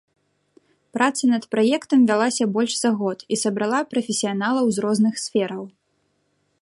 Праца над праектам вялася больш за год і сабрала прафесіяналаў з розных сфераў.